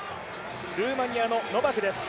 ルーマニアのノバクです。